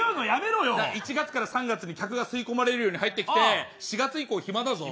１月から３月に客が吸い込まれるように入っていって４月以降、暇だぞ。